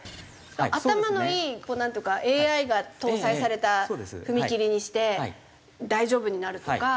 頭のいいこうなんていうかＡＩが搭載された踏切にして大丈夫になるとか。